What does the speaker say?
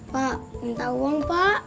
pak minta uang pak